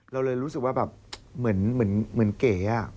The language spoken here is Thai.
เราเลยรู้สึกว่าแบบเหมือนเก๋